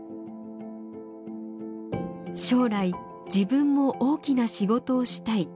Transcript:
将来自分も大きな仕事をしたい。